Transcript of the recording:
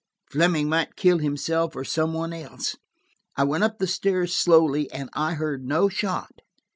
Fleming might kill himself or some one else. I went up the stairs, slowly, and I heard no shot.